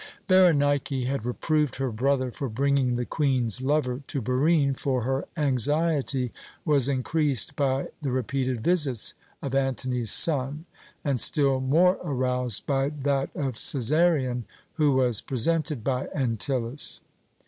Berenike had reproved her brother for bringing the Queen's lover to Barine, for her anxiety was increased by the repeated visits of Antony's son, and still more aroused by that of Cæsarion, who was presented by Antyllus.